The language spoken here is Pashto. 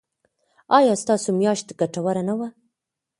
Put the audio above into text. ایا ستاسو میاشت ګټوره نه وه؟